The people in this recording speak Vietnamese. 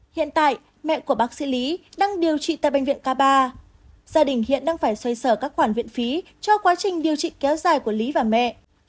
hiện tại mẹ của bác sĩ lý đang điều trị tại bệnh viện k ba gia đình hiện đang phải xoay sở các khoản viện phí cho quá trình điều trị kéo dài của lý và mẹ